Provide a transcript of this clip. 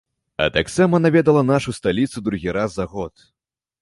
А таксама наведала нашу сталіцу другі раз за год.